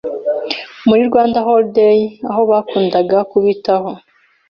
muri Rwanda Holidays aho bakundaga kubitaho